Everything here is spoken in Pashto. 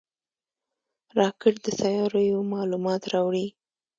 راکټ د سیارویو معلومات راوړي